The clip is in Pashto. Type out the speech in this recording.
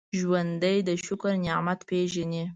ژوندي د شکر نعمت پېژني